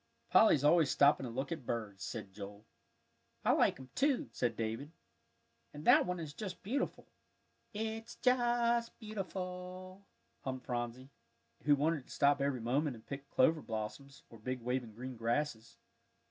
"Polly's always stopping to look at birds," said Joel. "I like 'em, too," said David. "And that one is just beautiful." "It's just beautiful," hummed Phronsie, who wanted to stop every moment and pick clover blossoms, or the big waving green grasses.